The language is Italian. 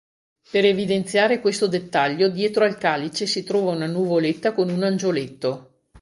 Per evidenziare questo dettaglio dietro al calice si trova una nuvoletta con un angioletto.